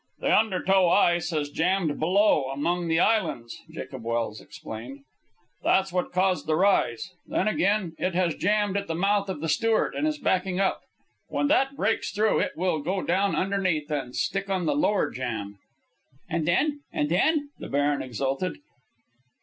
"The under tow ice has jammed below among the islands," Jacob Welse explained. "That's what caused the rise. Then, again, it has jammed at the mouth of the Stewart and is backing up. When that breaks through, it will go down underneath and stick on the lower jam." "And then? and then?" The baron exulted.